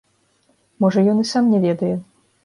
Можа, ён і сам не ведае.